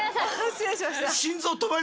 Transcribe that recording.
失礼しました。